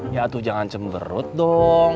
ya tuh jangan cemberut dong